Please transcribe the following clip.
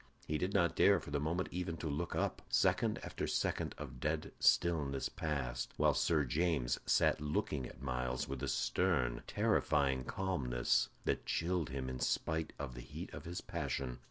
He did not dare for the moment even to look up. Second after second of dead stillness passed, while Sir James sat looking at Myles with a stern, terrifying calmness that chilled him in spite of the heat of his passion.